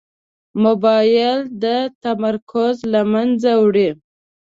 موبایل د تمرکز له منځه وړي.